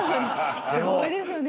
すごいですよね。